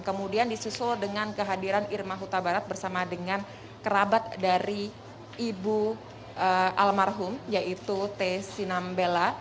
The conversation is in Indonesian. kemudian disusul dengan kehadiran irma huta barat bersama dengan kerabat dari ibu almarhum yaitu t sinambela